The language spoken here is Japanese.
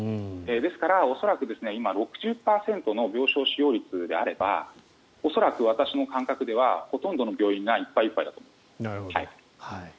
ですから、恐らく今６０％の病床使用率であれば恐らく私の感覚ではほとんどの病院がいっぱいいっぱいだと思います。